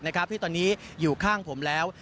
ที่ตอนนี้อยู่ข้างผมแล้ว